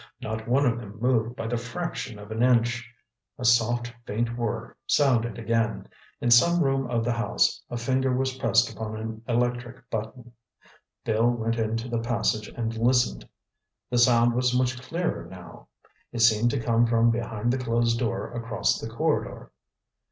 Not one of them moved by the fraction of an inch. A soft, faint whir sounded again. In some room of the house a finger was pressed upon an electric button. Bill went into the passage and listened. The sound was much clearer now. It seemed to come from behind the closed door across the corridor.